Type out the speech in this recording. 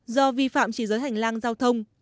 do vi phạm chỉ dưới hành lang giao thông